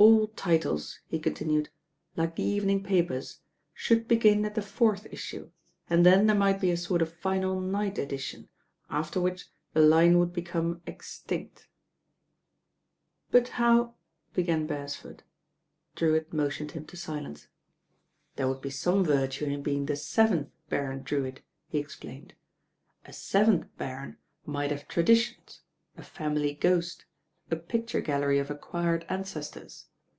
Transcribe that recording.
"All titles," he continued, "like the evening papers, should begin at the fourth issue, and then there might be a sort of final night edition, after which the line would become extinct." "But how " began Beresford. Drewitt motioned him to silence. "There would be some virtue in being the seventh Baron Drewitt," he explained. "A seventh baron might have traditions, a family ghost, a picture gallery of acquired ancestors.